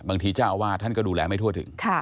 เจ้าอาวาสท่านก็ดูแลไม่ทั่วถึง